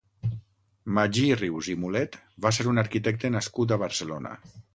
Magí Rius i Mulet va ser un arquitecte nascut a Barcelona.